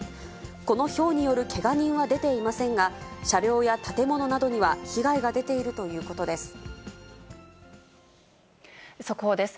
このひょうによるけが人は出ていませんが、車両や建物などには被速報です。